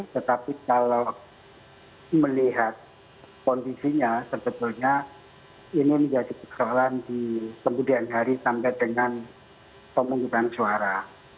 tetapi kalau melihat kondisinya sebetulnya ini menjadi persoalan di kemudian hari sampai dengan pemungutan suara